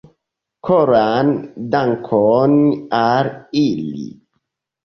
Koran dankon al ili.